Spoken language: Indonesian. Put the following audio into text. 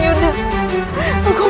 kau enggak ingin